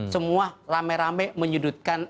semua rame rame menyudutkan